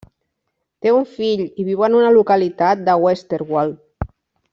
Té un fill i viu en una localitat de Westerwald.